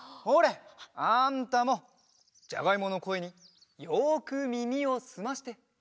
ほれあんたもじゃがいものこえによくみみをすまして。